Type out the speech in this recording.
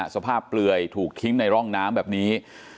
เปลือยถูกทิ้งในร่องน้ำแบบนี้